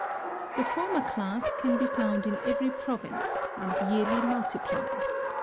The former class can be found in every province, and yearly multiply.